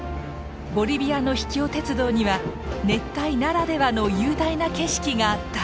ボリビアの秘境鉄道には熱帯ならではの雄大な景色があった。